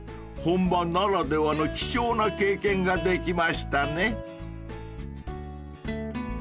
［本場ならではの貴重な経験ができましたね］